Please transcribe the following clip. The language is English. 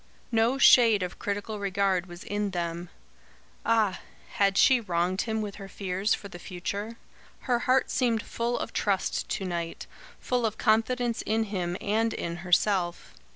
No shade of critical regard was in them. Ah! had she wronged him with her fears for the future? Her heart seemed full of trust to night, full of confidence in him and in herself.